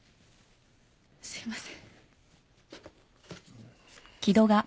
すいません。